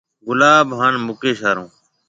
گلاب هانَ مڪيش هارون۔